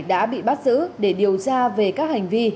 đã bị bắt giữ để điều tra về các hành vi